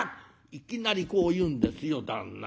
いきなりこう言うんですよ旦那。